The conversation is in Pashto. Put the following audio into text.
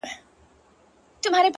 • چي یې ومانه خطر وېره ورکیږي ,